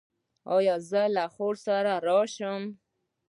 ایا زه له خور سره راشم؟